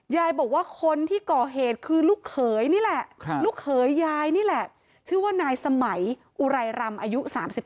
ยายบอกว่าคนที่ก่อเหตุคือลูกเขยนี่แหละลูกเขยยายนี่แหละชื่อว่านายสมัยอุไรรำอายุ๓๓